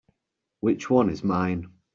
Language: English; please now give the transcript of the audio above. Which one is mine?